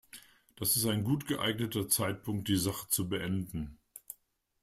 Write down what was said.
Das ist ein gut geeigneter Zeitpunkt, die Sache zu beenden.